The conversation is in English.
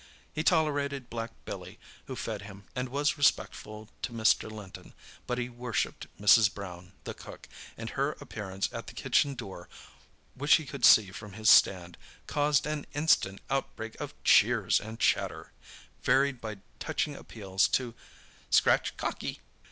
He tolerated black Billy, who fed him, and was respectful to Mr. Linton; but he worshipped Mrs. Brown, the cook, and her appearance at the kitchen door, which he could see from his stand, caused an instant outbreak of cheers and chatter, varied by touching appeals to "scratch Cocky."